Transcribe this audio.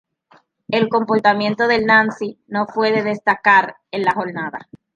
El comportamiento del "Nancy" no fue de destacar en la jornada.